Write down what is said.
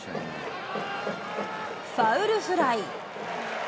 ファウルフライ。